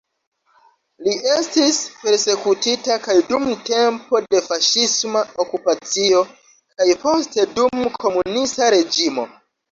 Li estis persekutita kaj dum tempo de faŝisma okupacio kaj poste dum komunista reĝimo.